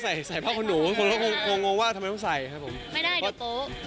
อาบน้ำใส่พลาดวะหนูคนก็กลัวงงว่าทำไมต้องใส่ครับผม